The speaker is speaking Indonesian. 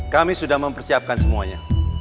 kami sudah mempersiapkan semuanya